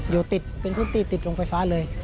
อยู่ติดเป็นพื้นที่ติดโรงไฟฟ้าเลย